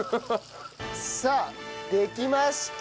さあできました！